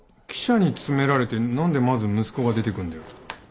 記者に詰められて何でまず息子が出てくんだよ。